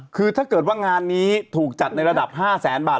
คือถ้าเกิดว่างานนี้ถูกจัดในระดับ๕แสนบาท